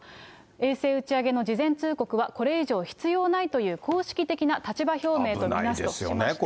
衛星打ち上げの事前通告は、これ以上必要ないという公式的な立場表明となりますと。